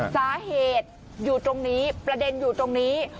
สาเหตุประเด็นอยู่ตรงนี้